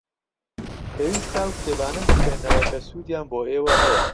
پێویستە ئەو کتێبانە بخوێننەوە کە سوودیان بۆ ئێوە هەیە.